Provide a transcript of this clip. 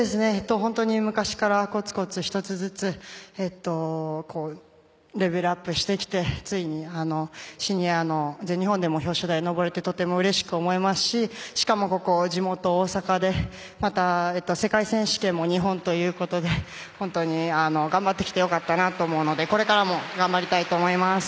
本当に昔からコツコツ１つずつレベルアップしてきてついにシニアの全日本でも表彰台に上れてとてもうれしく思いますししかも、ここ地元・大阪でまた世界選手権も日本ということで本当に頑張ってきて良かったなと思うのでこれからも頑張りたいと思います。